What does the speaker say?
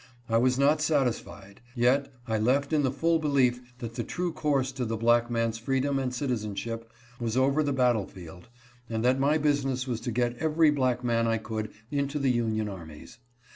I was not satisfied, yet I left in the full belief that the true course to the black man's freedom and citizenship was over the battle field, and that my business was to get every black man I could into the Union armies.